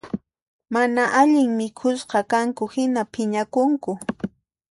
Mana allin mikhusqakanku hina phiñakunku